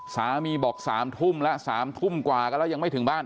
สามีบอกสามธุ่มละสามธุ่มกว่าก็แล้วยังไม่ถึงบ้าน